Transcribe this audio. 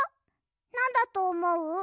なんだとおもう？